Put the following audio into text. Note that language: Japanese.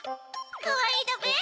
かわいいだべ？